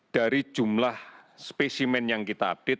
dari jumlah spesimen yang kita update